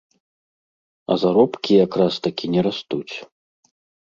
А заробкі якраз-такі не растуць.